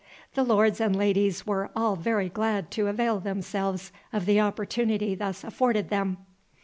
The lords and ladies were all very glad to avail themselves of the opportunity thus afforded them.